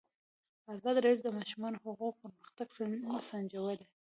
ازادي راډیو د د ماشومانو حقونه پرمختګ سنجولی.